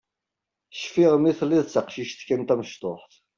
Cfiɣ mi telliḍ d taqcict kan tamecṭuḥt.